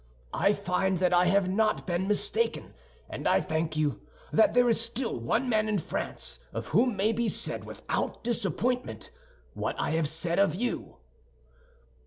I find that I have not been mistaken, and I thank you that there is still one man in France of whom may be said, without disappointment, what I have said of you."